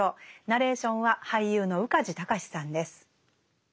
ナレーションは俳優の宇梶剛士さんです。